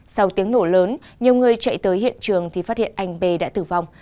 sau tiếng nổ lớn nhiều người chạy tới hiện trường thì phát hiện anh b đã tử vong